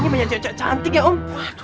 ini banyak cocok cantik ya om